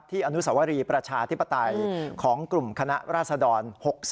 อนุสวรีประชาธิปไตยของกลุ่มคณะราษฎร๖๒